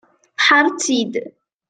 Tḥerreḍ-t-id.